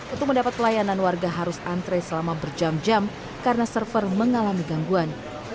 untuk mendapat pelayanan warga harus antre selama berjam jam karena server mengalami gangguan